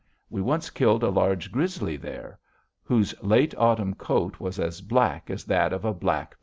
We once killed a large grizzly there, whose late autumn coat was as black as that of a black bear.